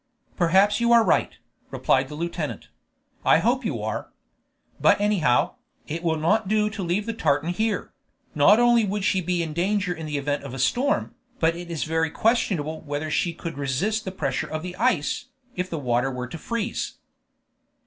"Perhaps you are right," replied the lieutenant; "I hope you are. But anyhow, it will not do to leave the tartan here; not only would she be in danger in the event of a storm, but it is very questionable whether she could resist the pressure of the ice, if the water were to freeze."